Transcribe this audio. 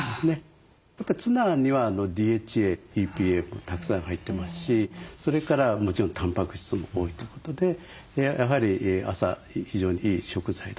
やっぱりツナにはＤＨＡＥＰＡもたくさん入ってますしそれからもちろんタンパク質も多いということでやはり朝非常にいい食材だと思いますね。